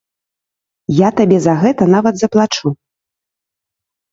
Я табе за гэта нават заплачу.